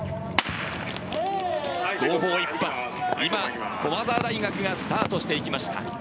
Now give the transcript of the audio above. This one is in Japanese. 号砲一発、今、駒澤大学がスタートしていきました。